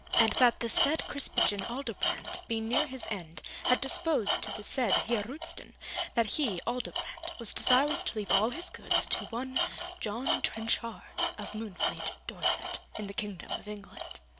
And that the said Krispijn Aldobrand, being near his end, had deposed to the said Heer Roosten, that he, Aldobrand, was desirous to leave all his goods to one John Trenchard, of Moonfleet, Dorset, in the Kingdom of England.